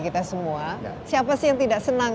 kita semua siapa sih yang tidak senang